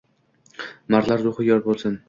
Mardlar ruhi yor bo’lsin.